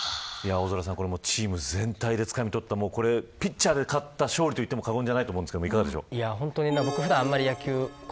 大空さん、これはチーム全体でつかみ取ったピッチャーで勝った勝利といっても過言ではないと思いますが、いかがですか。